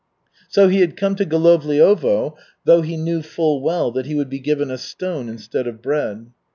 So he had come to Golovliovo, though he knew full well that he would be given a stone instead of bread.